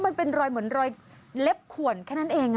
มันเป็นรอยเหมือนรอยเล็บขวนแค่นั้นเอง